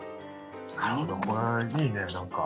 なるほどこれいいね何か。